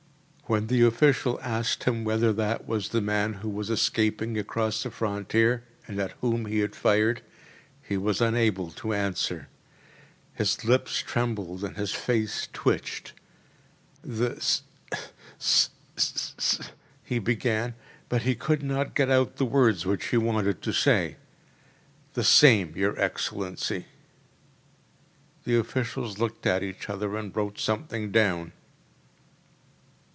When the official asked him whether that was the man who was escaping across the frontier, and at whom he had fired, he was unable to answer. His lips trembled, and his face twitched. “The s s s ‚ÄĚ he began, but could not get out the words which he wanted to say. “The same, your excellency.‚ÄĚ The officials looked at each other and wrote something down.